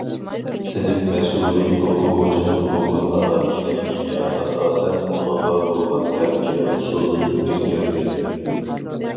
سىنىپ مەسئۇلى ئوقۇغۇچىنىڭ بۇ خىل ئالاھىدىلىكىگە ئاساسەن ئۇنىڭغا بولغان تەربىيە ئۇسۇلىنى ئۆزگەرتكەن.